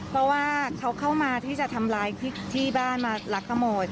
เพราะว่าเขาเข้ามาที่จะทำร้ายที่บ้านมารักขโมย